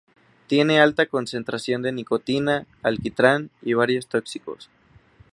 Tiene alta concentración de nicotina, alquitrán y varios tóxicos.